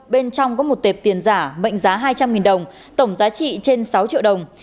bên trong có một tệp tiền giả mệnh giá hai trăm linh đồng tổng giá trị trên sáu triệu đồng